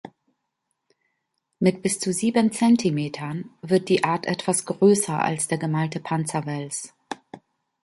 Mit bis zu sieben Zentimetern wird die Art etwas größer als der Gemalte Panzerwels.